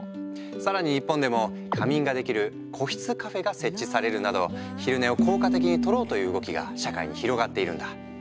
更に日本でも仮眠ができる個室カフェが設置されるなど昼寝を効果的にとろうという動きが社会に広がっているんだ。